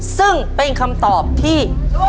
ซึ่งเป็นคำตอบที่